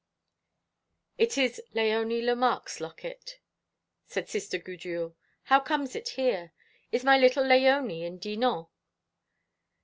"It is Léonie Lemarque's locket," said Sister Gudule. "How comes it here? Is my little Léonie in Dinan?"